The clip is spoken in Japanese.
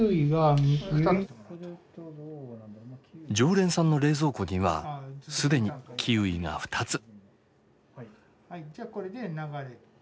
常連さんの冷蔵庫には既にキウイが２つ。